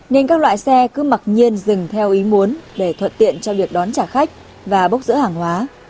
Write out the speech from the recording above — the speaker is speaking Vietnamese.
nên các loại xe cứ mặc nhiên dừng theo ý muốn để thuận tiện cho việc đón trả khách và bốc rỡ hàng hóa